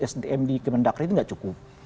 sdm di kementerian dalam negeri itu nggak cukup